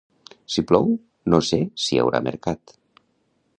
Si plou no sé si hi haurà mercat